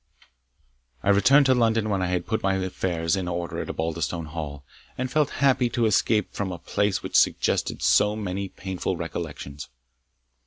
I returned to London when I had put my affairs in order at Osbaldistone Hall, and felt happy to escape from a place which suggested so many painful recollections.